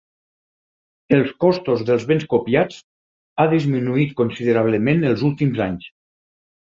Els costos dels béns copiats ha disminuït considerablement els últims anys.